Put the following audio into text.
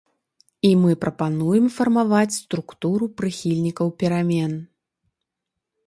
І мы прапануем фармаваць структуру прыхільнікаў перамен.